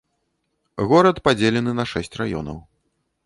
Горад падзелены на шэсць раёнаў.